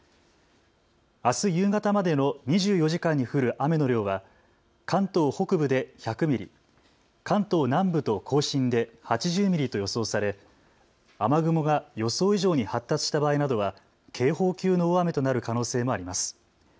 あす夕方までの２４時間に降る雨の量は関東北部で１００ミリ、関東南部と甲信で８０ミリと予想され雨雲が予想以上に発達した場合などは警報級の大雨となる可能性もあります。